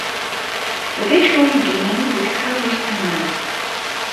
D acu ay yellan deg tkeṛṛust-nnem?